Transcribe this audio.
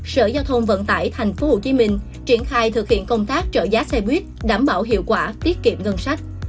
sở giao thông vận tải tp hcm triển khai thực hiện công tác trợ giá xe buýt đảm bảo hiệu quả tiết kiệm ngân sách